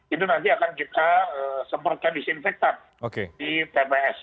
itu nanti akan kita semprotkan disinfektan di tps